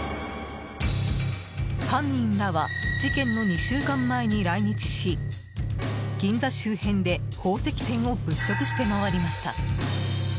犯人らは事件の２週間前に来日し銀座周辺で宝石店を物色して回りました。